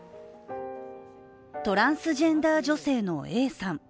トランスジェンダー女性のＡさん。